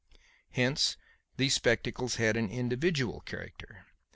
Hence these spectacles had an individual character.